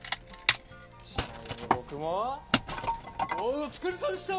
ちなみに僕もお疲れさまでした！